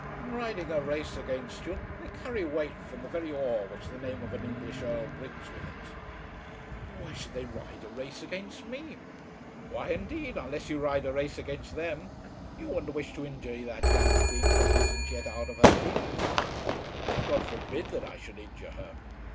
In riding a race against you they carry weight from the very awe which the name of an English Earl brings with it." "Why should they ride a race against me?" "Why indeed, unless you ride a race against them! You wouldn't wish to injure that young thing as isn't yet out of her teens?" "God forbid that I should injure her."